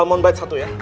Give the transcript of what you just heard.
salmon bite satu ya